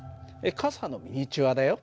傘のミニチュアだよ。